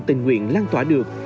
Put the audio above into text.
tình nguyện lan tỏa được